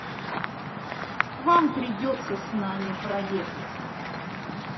Вам придется с нами проехать.